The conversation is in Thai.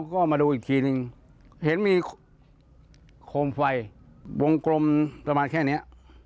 ก็มาดูอีกทีนึงเห็นมีโคมไฟวงกลมประมาณแค่เนี้ย